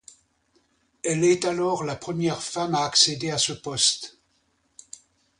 Elle est alors la première femme à accéder à ce poste.